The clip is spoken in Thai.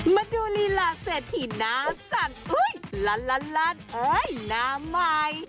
มาดูลีลาเสร็จที่น้าสันอุ้ยลันลันเอ้ยน้ามาย